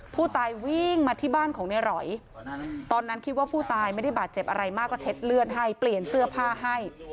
ผู้ตายวิ่งมาที่บ้านของในหรอยตอนนั้นคิดว่าผู้ตายไม่ได้บาดเจ็บอะไรมากก็เช็ดเลือดให้เปลี่ยนเสื้อผ้าให้